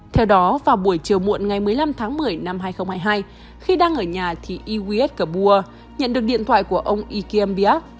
theo đó vào buổi chiều muộn ngày một mươi năm tháng một mươi năm hai nghìn hai mươi hai khi đang ở nhà thì iwis kabua nhận được điện thoại của ông ikembiak